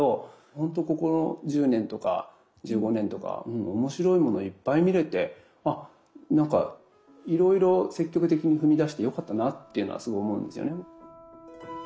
ほんとここ１０年とか１５年とか面白いものをいっぱい見れてなんかいろいろ積極的に踏み出してよかったなっていうのはすごい思うんですよね。